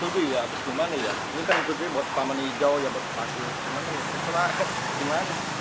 selama ini jauh ya berpaksa